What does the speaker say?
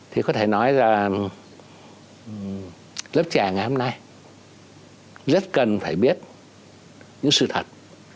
thì có thể nói là lớp trẻ ngày hôm nay rất cần phải biết những sự thật